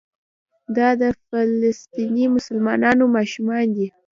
دا د فلسطیني مسلمانانو ماشومان دي.